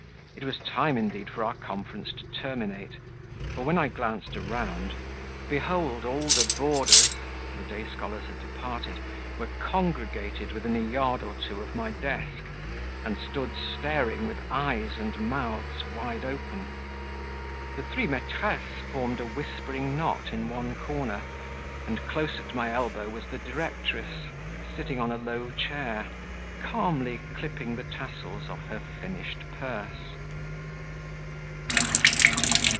It was time, indeed, for our conference to terminate; for, when I glanced around, behold all the boarders (the day scholars had departed) were congregated within a yard or two of my desk, and stood staring with eyes and mouths wide open; the three maitresses formed a whispering knot in one corner, and, close at my elbow, was the directress, sitting on a low chair, calmly clipping the tassels of her finished purse.